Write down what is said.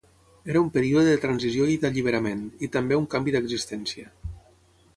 Era un període de transició i d'alliberament, i també un canvi d'existència.